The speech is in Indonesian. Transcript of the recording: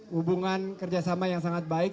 hubungan kerjasama yang sangat baik